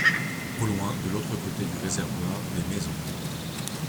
Au loin, de l’autre côté du réservoir, des maisons.